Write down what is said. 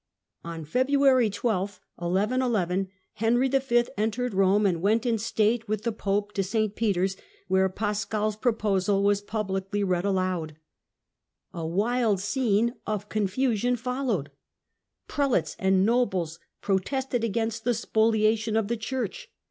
On February 12, 1111, Henry V. entered Rome and went in state with the Pope to St Peter's, where Paschal's proposal was publicly read aloud. A wild scene of con fusion followed. Prelates and nobles protested against the spoliation of the Church.